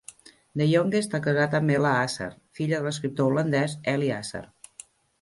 De Jonge està casat amb Hella Asser, filla de l'escriptor holandès Eli Asser.